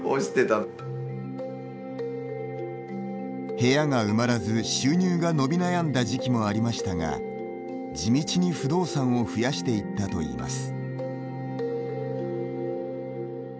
部屋が埋まらず、収入が伸び悩んだ時期もありましたが地道に不動産を増やしていったといいます。